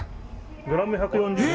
グラム１４０円。